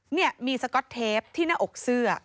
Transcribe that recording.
นี่มีสก๊อตเทปที่หน้าอกเสื้อ